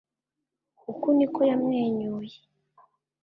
Uku niko yamwenyuye